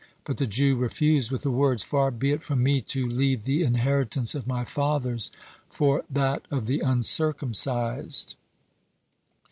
But the Jew refused with the words: "Far be it from me to leave the inheritance of my fathers for that of the uncircumcised."